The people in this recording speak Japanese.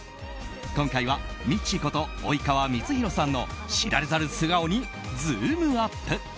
今回は、ミッチーこと及川光博さんの知られざる素顔にズームＵＰ！